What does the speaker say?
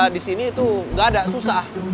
disini itu enggak ada susah